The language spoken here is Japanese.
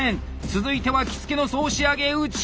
続いては着付の総仕上げ打掛。